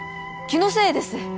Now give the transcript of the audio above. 気のせいです